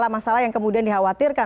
masalah yang kemudian dikhawatirkan